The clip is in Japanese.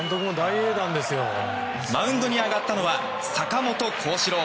マウンドに上がったのは坂本光士郎。